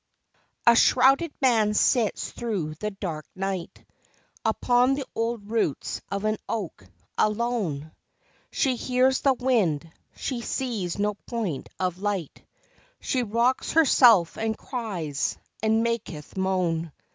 A shrouded woman sits through the dark night Upon the old roots of an oak, alone ; She hears the wind ; she sees no point of light : She rocks herself, and cries, and maketh moan.